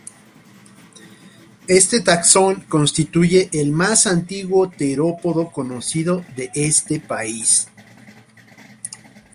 Este taxón constituye el más antiguo terópodo conocido de este país.